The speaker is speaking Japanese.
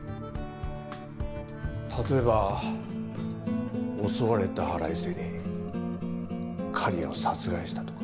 例えば襲われた腹いせに刈谷を殺害したとか。